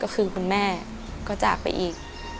ก็คือคุณแม่ก็จากไปอีก